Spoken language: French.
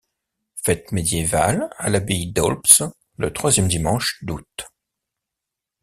Fête médiévale à l'abbaye d'Aulps le troisième dimanche d'août.